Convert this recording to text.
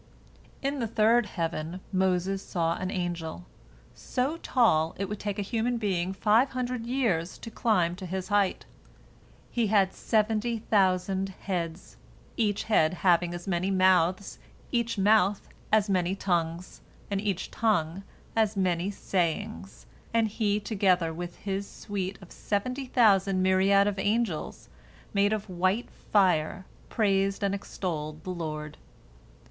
In the third heaven Moses saw an angel, so tall it would take a human being five hundred years to climb to his height. He had seventy thousand heads, each head having as many mouths, each mouth as many tongues, and each tongue as many sayings, and he together with his suite of seventy thousand myriads of angels made of white fire praised and extolled the Lord.